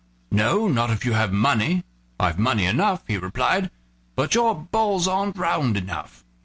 "No, not if you have money." "I've money enough," he replied, "but your balls aren't round enough."